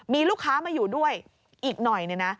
มีลูกค้ามาอยู่ด้วยอีกหน่อยเนี่ยนะ